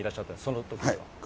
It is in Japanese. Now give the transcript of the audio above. そのときは。